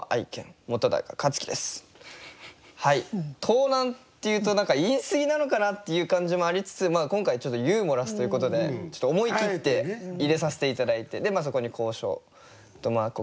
「盗難」っていうと何か言い過ぎなのかな？っていう感じもありつつ今回ちょっとユーモラスということでちょっと思い切って入れさせて頂いてでそこに「咬傷」かまれた傷。